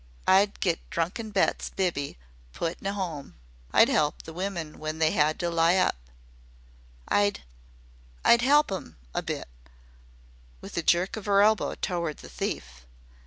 I'd get drunken Bet's biby put in an 'ome. I'd 'elp the women when they 'ad to lie up. I'd I'd 'elp 'IM a bit," with a jerk of her elbow toward the thief.